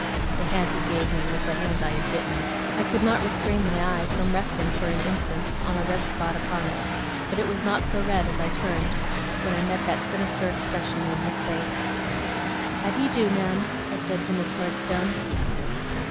The hand he gave me was the hand I had bitten. I could not restrain my eye from resting for an instant on a red spot upon it; but it was not so red as I turned, when I met that sinister expression in his face. 'How do you do, ma'am?' I said to Miss Murdstone.